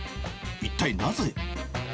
一体なぜ。